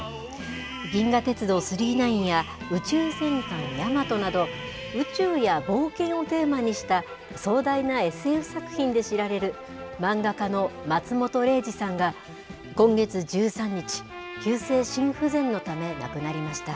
銀河鉄道９９９や、宇宙戦艦ヤマトなど、宇宙や冒険をテーマにした壮大なＳＦ作品で知られる漫画家の松本零士さんが、今月１３日、急性心不全のため亡くなりました。